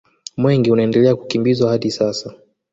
Mwenge unaendelea kukimbizwa hadi sasa